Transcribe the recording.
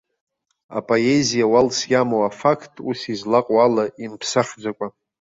Апоезиа уалс иамоу афакт ус излаҟоу ала имԥсахӡакәа.